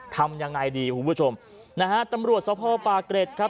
ทำยังไงดีคุณผู้ชมนะฮะตำรวจสภป่าเกร็ดครับ